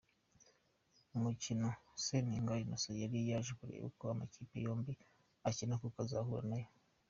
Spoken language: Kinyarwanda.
Umukino Seninga Inncent yari yaje kureba uko amakipe yombi akina kuko azahura nayo.